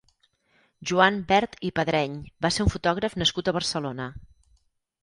Joan Bert i Padreny va ser un fotògraf nascut a Barcelona.